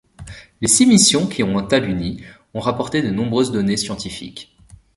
Les six missions qui ont aluni ont rapporté de nombreuses données scientifiques.